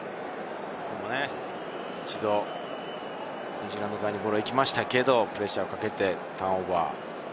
一度、ニュージーランド側にボールが行きましたけれど、プレッシャーをかけてターンオーバー。